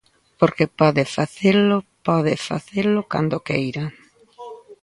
Porque pode facelo, pode facelo cando queira.